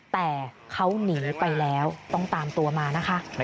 แต่เขาหนีไปแล้วต้องตามตัวมานะคะ